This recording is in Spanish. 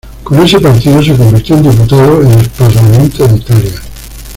Con ese partido se convirtió en diputado en el Parlamento de Italia.